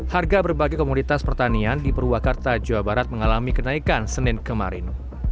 harga berbagai komoditas pertanian di purwakarta jawa barat mengalami kenaikan senin kemarin